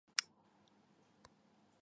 比耶克下面再划分为七个地区。